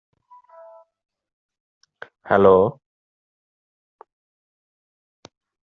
The goalie is showing off his reflexes today.